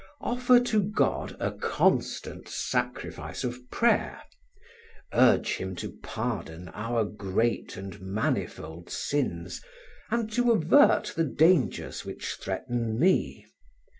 Offer to God a constant sacrifice of prayer. Urge him to pardon our great and manifold sins, and to avert the dangers which threaten me.